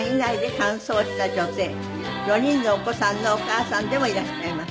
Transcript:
４人のお子さんのお母さんでもいらっしゃいます。